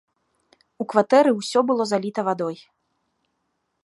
У кватэры ўсё было заліта вадой.